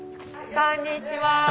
こんにちは。